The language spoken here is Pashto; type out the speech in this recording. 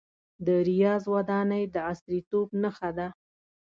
د ریاض ودانۍ د عصریتوب نښه ده.